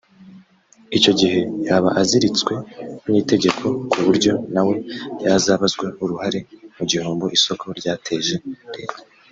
icyo gihe yaba aziritswe n’itegeko ku buryo na we yazabazwa uruhare mu gihombo isoko ryateje Leta